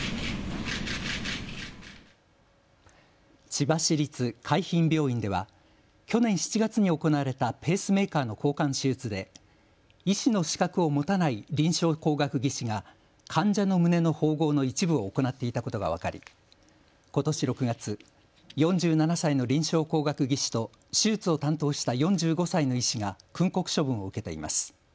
千葉市立海浜病院では去年７月に行われたペースメーカーの交換手術で医師の資格を持たない臨床工学技士が患者の胸の縫合の一部を行っていたことが分かりことし６月、４７歳の臨床工学技士と手術を担当した４５歳の医師が訓告処分を受けています。